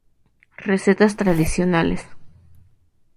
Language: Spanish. Recetas tradicionales